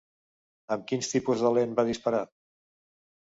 Amb quin tipus de lent va disparar?